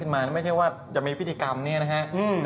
มั่นไม่ใช่ว่าจะมีพิธีกรรมเนี่ยครับ